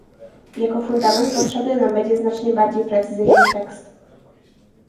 jako fundament potrzebny nam będzie znacznie bardziej precyzyjny tekst